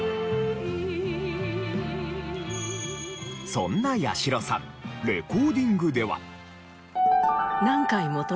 そんな八代さんレコーディングでは。